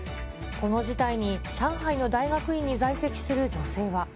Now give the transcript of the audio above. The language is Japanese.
この事態に上海の大学院に在籍する女性は。